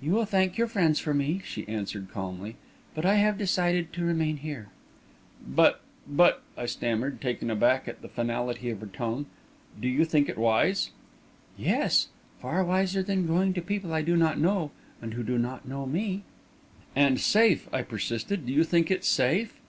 "You will thank your friends for me," she answered, calmly; "but I have decided to remain here." "But but," I stammered, taken aback at the finality of her tone, "do you think it wise?" "Yes far wiser than going to people I do not know and who do not know me." "And safe," I persisted; "do you think it safe?"